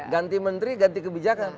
ganti menteri ganti kebijakan